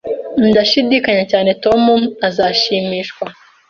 Ndashidikanya cyane Tom azashimishwa